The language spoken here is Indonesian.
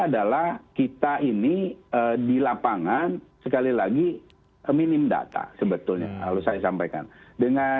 adalah kita ini di lapangan sekali lagi minim data sebetulnya harus saya sampaikan dengan